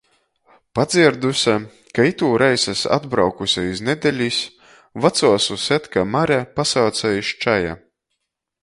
Padzierduse, ka itūreiz es atbraukuse iz nedelis, vacuo susedka Mare pasauce iz čaja.